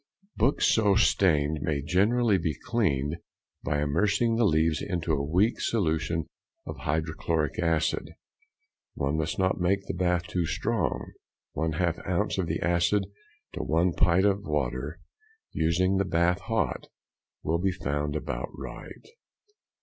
_—Books so stained may generally be cleaned by immersing the leaves into a weak solution of hydrochloric acid; one must not make the bath too strong, 1/2 ounce of the acid to 1 pint of water, using the bath hot, will be found about right.